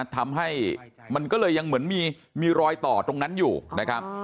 ทำให้มันก็เลยยังเหมือนมีรอยต่อตรงนั้นอยู่นะครับ